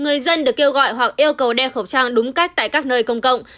người dân được kêu gọi hoặc yêu cầu đeo khẩu trang đúng cách tại các nơi công cộng